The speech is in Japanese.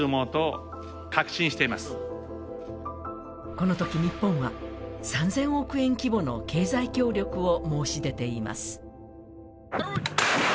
このとき日本は３０００億円規模の経済協力を申し出ています。